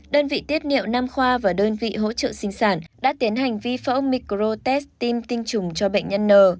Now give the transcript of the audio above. đơn vị tiết niệm nam khoa và đơn vị hỗ trợ sinh sản đã tiến hành vi phẫu micro test tim tinh trùng cho bệnh nhân n